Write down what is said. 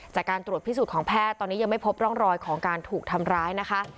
จากการตรวจพิสูจน์ของแพทย์ตอนนี้ยังไม่พบร่องรอยของการถูกทำร้ายนะคะ